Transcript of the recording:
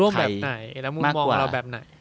แบบไหนแล้วมุมมองเราแบบไหน